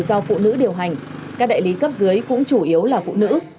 do phụ nữ điều hành các đại lý cấp dưới cũng chủ yếu là phụ nữ